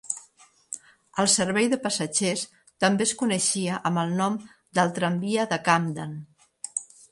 El servei de passatgers també es coneixia amb el nom del "Tramvia de Camden".